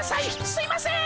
すいません！